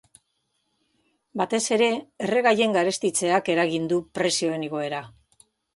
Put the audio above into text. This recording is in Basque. Batez ere, erregaien garestitzeak eragin du prezioen igoera.